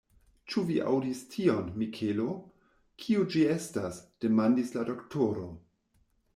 Ĉu vi aŭdis tion, Mikelo? Kio ĝi estas? demandis la doktoro.